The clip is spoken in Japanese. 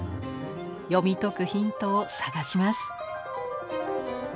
読み解くヒントを探します。